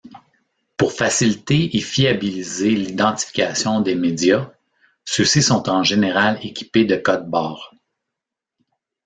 Pour faciliter et fiabiliser l'identification des média, ceux-ci sont en général équipés de code-barres.